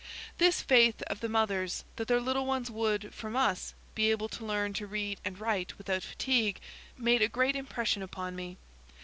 This faith of the mothers, that their little ones would, from us, be able to learn to read and write without fatigue, made a great impression upon me.